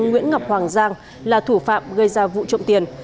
nguyễn ngọc hoàng giang là thủ phạm gây ra vụ trộm tiền